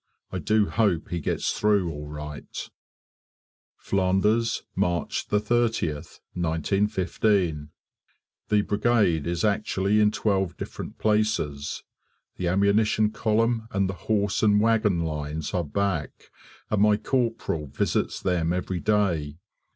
I do hope he gets through all right. Flanders, March 30th, 1915. The Brigade is actually in twelve different places. The ammunition column and the horse and wagon lines are back, and my corporal visits them every day.